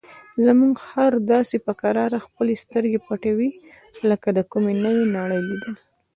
زموږ خر داسې په کراره خپلې سترګې پټوي لکه د کومې نوې نړۍ لیدل.